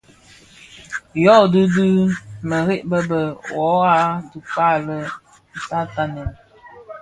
Yodhi, bi mereb be be, wuo a dhikpa, bè tatanèn,